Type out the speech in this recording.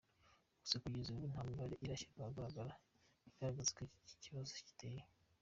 Gusa kugeza ubu nta mibare irashyirwa ahagaragara igaragaza uko iki kibazo giteye.